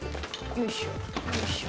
よいしょ。